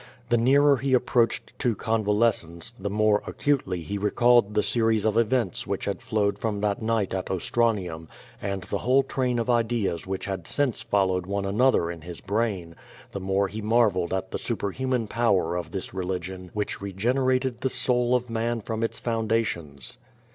The nearer he approached to convalescence the more acutely he recalled the series of events which had flowed from that night at Ostranium, and the whole train of ideas which had since followed one another in his brain, the more he mar vellwl at the superhuman jmwer of this religion which regen erated the soul of man from its foundations.